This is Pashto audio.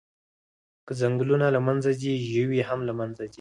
که ځنګلونه له منځه ځي، ژوي هم له منځه ځي.